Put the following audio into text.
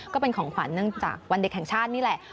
ก็เป็นของขวัญเนื่องจากวันเด็กแห่งชาตินี่แหละ